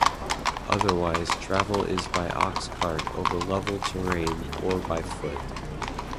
Otherwise, travel is by ox-cart over level terrain or by foot.